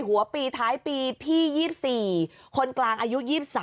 หัวปีท้ายปีพี่๒๔คนกลางอายุ๒๓